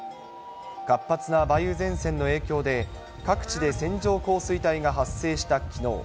活発な梅雨前線の影響で、各地で線状降水帯が発生したきのう。